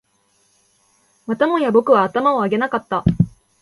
またもや僕は頭を上げなかった